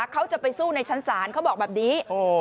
เขาจะไปสู้ในชั้นศาลเขาบอกแบบนี้